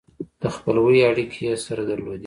د خپلوۍ اړیکې یې سره درلودې.